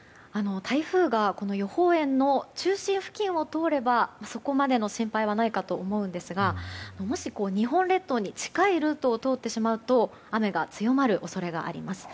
台風が予報円の中心付近を通ればそこまでの心配はないかと思うんですがもし日本列島に近いルートを通ってしまうと雨が強まる恐れがあります。